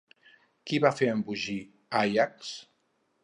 Qui va fer embogir Àiax?